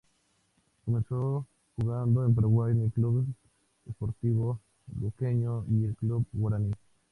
Comenzó jugando en Paraguay en el Club Sportivo Luqueño y en el Club Guaraní.